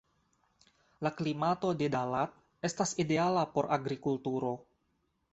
La klimato de Da Lat estas ideala por agrikulturo.